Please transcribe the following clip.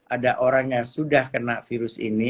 ada orang yang sudah kena virus ini